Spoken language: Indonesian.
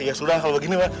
ya sudah kalau begini pak